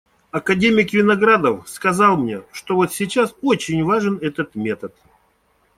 Академик Виноградов сказал мне, что вот сейчас очень важен этот метод.